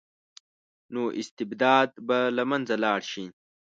نو استبداد به له منځه لاړ شي.